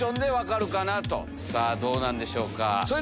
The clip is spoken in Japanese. さぁどうなんでしょうか。